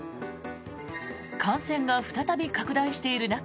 感染が再び拡大している中